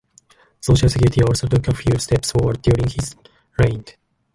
Social security also took a few steps forward during his reign.